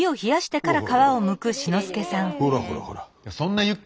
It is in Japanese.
ほらほらほらほら。